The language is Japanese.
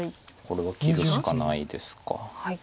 これは切るしかないですか。